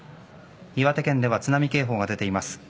岩手県では津波警報が出ています。